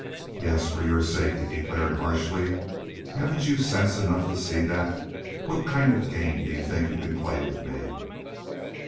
"Yes, for your sake!" he declared, harshly. "Haven't you sense enough to see that? ... What kind of a game do you think you can play with me?"